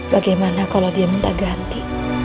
bagaimana kalau dia minta ganti